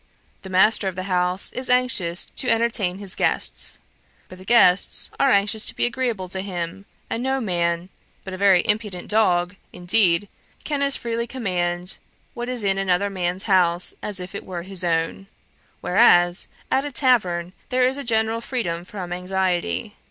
The master of the house is anxious to entertain his guests; the guests are anxious to be agreeable to him: and no man, but a very impudent dog indeed, can as freely command what is in another man's house, as if it were his own. Whereas, at a tavern, there is a general freedom from anxiety.